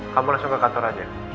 kamu langsung ke kantor aja